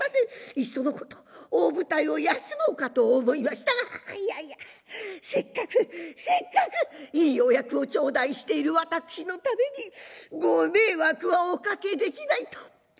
いっそのこと大舞台を休もうかと思いましたがいやいやせっかくせっかくいいお役を頂戴している私のためにご迷惑はお掛けできないと。